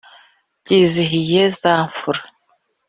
Bwizihiye za mfura!"